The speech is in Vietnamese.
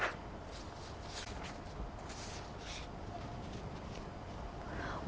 bộ phòng hát karaoke